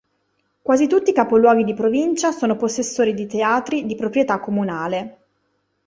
Quasi tutti i capoluoghi di provincia sono possessori di teatri di proprietà comunale.